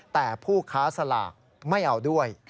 แต่ผู้ค้าสลากไม่เอาด้วย